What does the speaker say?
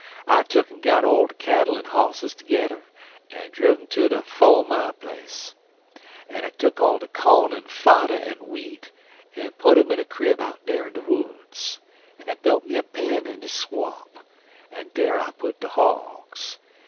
I tuck'n got all de cattle en hosses tergedder en driv' um ter de fo' mile place, en I tuck all de corn en fodder en w'eat, en put um in a crib out dar in de woods; en I bilt me a pen in de swamp, en dar I put de hogs.